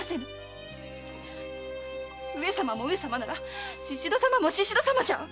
上様も上様なら宍戸様も宍戸様じゃ！